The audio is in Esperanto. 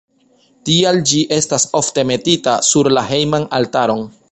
Tial ĝi estas ofte metita sur la hejman altaron.